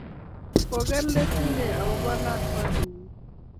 Kiker let inet akopa lakwandit nyi